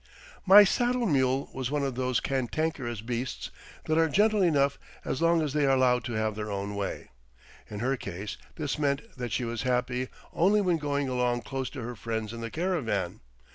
My saddle mule was one of those cantankerous beasts that are gentle enough as long as they are allowed to have their own way. In her case this meant that she was happy only when going along close to her friends in the caravan.